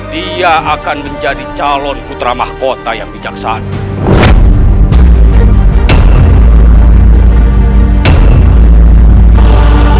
dia akan menjadi calon putra mahkota yang bijaksana